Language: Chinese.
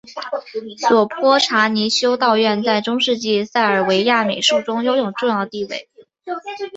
索泼查尼修道院在中世纪塞尔维亚美术中拥有重要地位。